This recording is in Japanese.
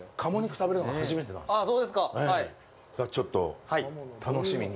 だからちょっと楽しみに。